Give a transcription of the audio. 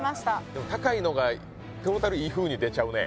でも高いのがトータルいいふうに出ちゃうね